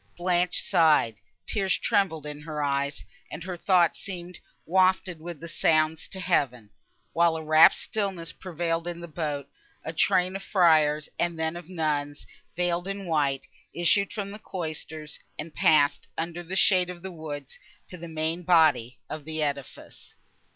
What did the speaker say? —Blanche sighed, tears trembled in her eyes, and her thoughts seemed wafted with the sounds to heaven. While a rapt stillness prevailed in the boat, a train of friars, and then of nuns, veiled in white, issued from the cloisters, and passed, under the shade of the woods, to the main body of the edifice.